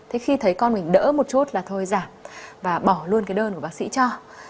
thế khi thấy con mình đỡ một chút là thôi giảm và bỏ luôn cái đơn của bác sĩ cho